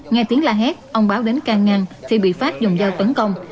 nghe tiếng la hét ông báo đến can ngăn thì bị phát dùng dao tấn công